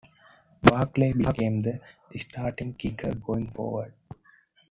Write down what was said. Barclay became the starting kicker going forward.